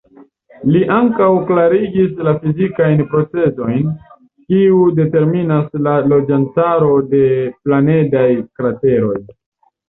Li ankaŭ klarigis la fizikajn procezojn, kiu determinas la loĝantaro de planedaj krateroj.